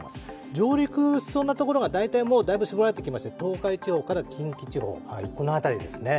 上陸しそうなところが大体もうだいぶ絞られてきまして、東海地方から近畿地方、この辺りですね。